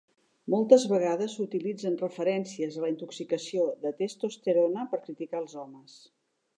Moltes vegades s"utilitzen referències a la intoxicació de testosterona per criticar els homes.